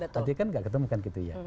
jadi kan tidak ketemukan gitu ya